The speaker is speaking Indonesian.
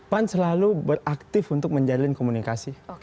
pan selalu beraktif untuk menjalin komunikasi